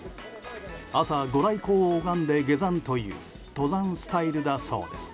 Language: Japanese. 朝、ご来光を拝んで下山という登山スタイルだそうです。